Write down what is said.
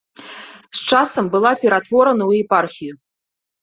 З часам была ператворана ў епархію.